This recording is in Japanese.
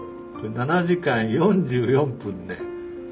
７時間４４分ね